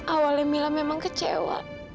awalnya mila memang kecewa